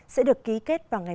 sẽ được ký kết vào hôm nay